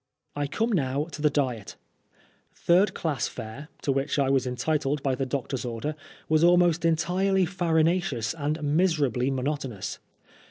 I come now to the diet. Third class fare, to which I was entitled by the doctor's order, was almost entirely farinaceous, and miserably monotonous.